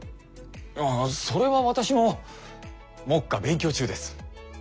ああそれは私も目下勉強中です。